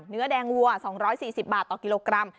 เนื้อแดงวัวสองร้อยสี่สิบบาทต่อกิโลกรัม